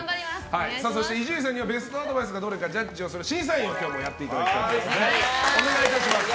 そして、伊集院さんにはベストアドバイスがどれかジャッジする審査員を今日もやっていただきたいと思います。